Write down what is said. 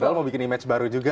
padahal mau bikin image baru juga